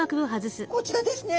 こちらですね。